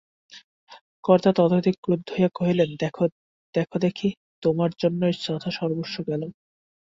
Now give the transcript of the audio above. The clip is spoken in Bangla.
কর্তা ততোধিক ক্রুদ্ধ হইয়া কহিলেন, দেখো দেখি, তোমার জন্যই যথাসর্বস্ব গেল।